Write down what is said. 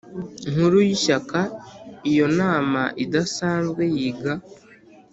Nkuru y Ishyaka Iyo nama idasanzwe yiga